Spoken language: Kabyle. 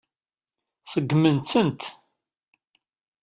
Seggment-tent.